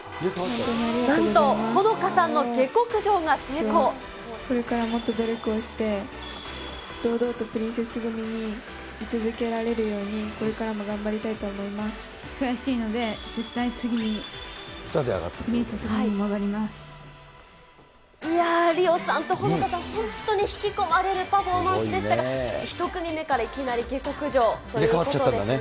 なんと、これからもっと努力をして、堂々とプリンセス組にい続けられるように、これからも頑張りたい悔しいので、いやー、リオさんとホノカさん、本当に引き込まれるパフォーマンスでしたが、１組目からいきなり下剋上ということですね。